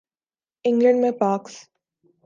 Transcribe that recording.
England میں پاکس